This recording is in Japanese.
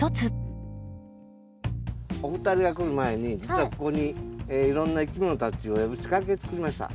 お二人が来る前に実はここにいろんないきものたちを呼ぶ仕掛け作りました。